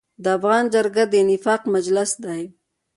د افغان جرګه د اتفاق مجلس دی.